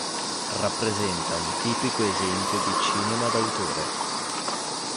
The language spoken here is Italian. Rappresenta un tipico esempio di cinema d'autore.